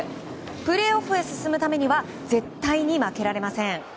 プレーオフへ進むためには絶対に負けられません。